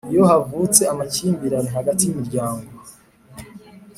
Iyo havutse amakimbirane hagati y imiryango